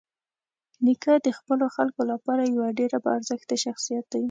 نیکه د خپلو خلکو لپاره یوه ډېره باارزښته شخصيت دی.